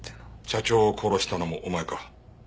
社長を殺したのもお前か？